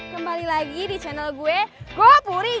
kembali lagi di channel gue gopur